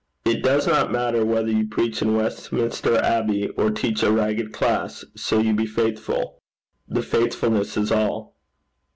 It does not matter whether you preach in Westminster Abbey, or teach a ragged class, so you be faithful. The faithfulness is all.'